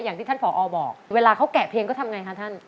อย่างที่ท่านผอบอกเวลาเขาแกะเพลงก็ทำไงคะท่าน